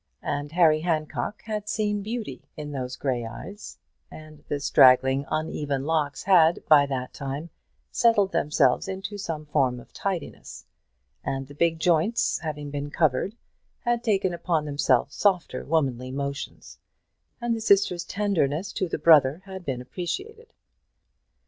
And Harry Handcock had seen beauty in those grey eyes, and the straggling, uneven locks had by that time settled themselves into some form of tidiness, and the big joints, having been covered, had taken upon themselves softer womanly motions, and the sister's tenderness to the brother had been appreciated.